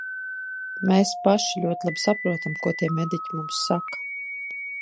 Mēs paši ļoti labi saprotam, ko tie mediķi mums saka.